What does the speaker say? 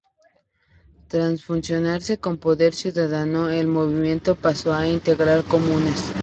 Tras fusionarse con Poder Ciudadano, el movimiento pasó a integrar Comunes.